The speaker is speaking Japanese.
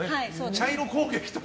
茶色攻撃。